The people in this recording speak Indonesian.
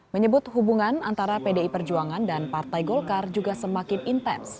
menyebut hubungan antara pdi perjuangan dan partai golkar juga semakin intens